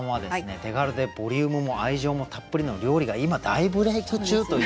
手軽でボリュームも愛情もたっぷりの料理が今大ブレーク中という。